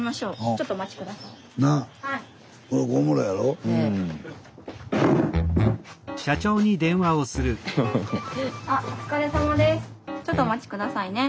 ちょっとお待ち下さいね。